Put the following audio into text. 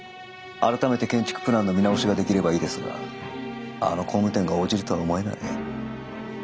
改めて建築プランの見直しができればいいですがあの工務店が応じるとは思えない。